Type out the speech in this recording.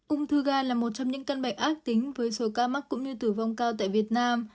ung thư ga là một trong những căn bệnh ác tính với số ca mắc cũng như tử vong cao tại việt nam